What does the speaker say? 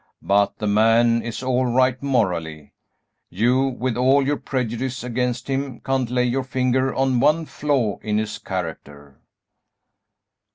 But the man is all right morally; you, with all your prejudice against him, can't lay your finger on one flaw in his character."